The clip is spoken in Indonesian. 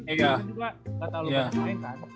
vincent juga gak terlalu banyak main kan